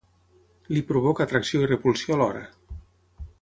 Li provoca atracció i repulsió alhora.